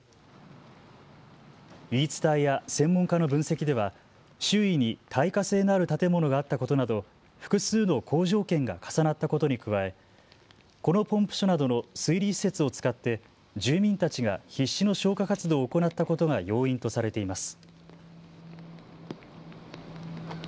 言い伝えや専門家の分析では周囲に耐火性のある建物があったことなど複数の好条件が重なったことに加えこのポンプ所などの水利施設を使って住民たちが必死の消火活動を行ったことが要因とされています。